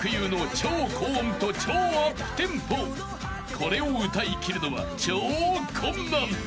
［これを歌いきるのは超困難］